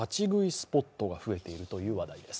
スポットが増えているという話題です。